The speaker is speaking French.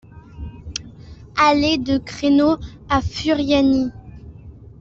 Allée de Creno à Furiani